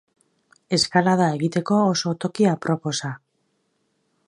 Eskalada egiteko oso toki aproposa.